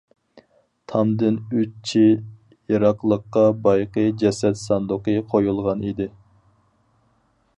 تامدىن ئۈچ چى يىراقلىققا بايىقى جەسەت ساندۇقى قويۇلغان ئىدى.